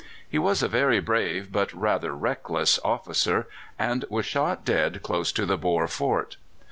He was a very brave, but rather reckless, officer, and was shot dead close to the Boer fort.